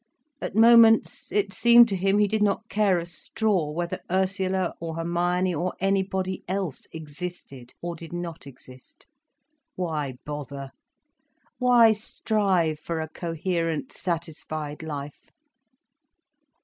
At moments it seemed to him he did not care a straw whether Ursula or Hermione or anybody else existed or did not exist. Why bother! Why strive for a coherent, satisfied life?